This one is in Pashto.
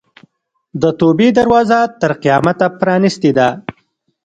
د توبې دروازه تر قیامته پرانستې ده.